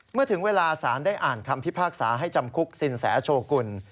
เมื่อถึงเวลาสารได้อ่านคำพิพากษาให้จำคุกสินแสโชกุล